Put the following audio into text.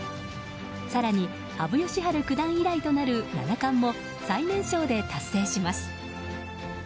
更に羽生善治九段以来となる七冠も最年少で達成します。